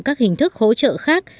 các hình thức hỗ trợ khác